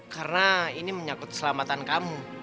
karena ini menyakut keselamatan kamu